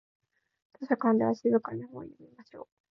図書館では静かに本を読みましょう。